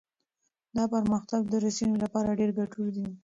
دا پرمختګ د رسنيو لپاره ډېر ګټور دی.